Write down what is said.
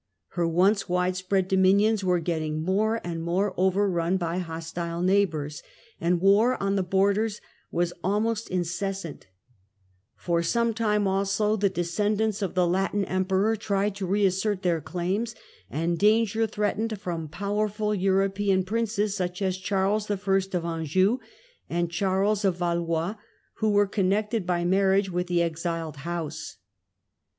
Her once wide spread ^°^™^^^ dominions were getting more and more over run by hostile neighbours, (see map), and war on the borders was almost incessant ; for some time also the descendants of the Latin Emperor tried to reassert their claims, and danger threatened from powerful European Princes, such as Charles I. of Anjou, and Charles of Valois, who were connected by marriage with the exiled house.